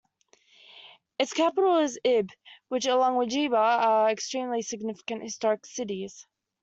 Its capital is Ibb, which, along with Jibla, are extremely significant historic cities.